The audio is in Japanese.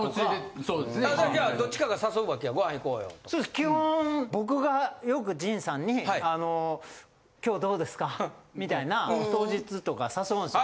基本僕がよく陣さんに「今日どうですか？」みたいな当日とか誘うんです。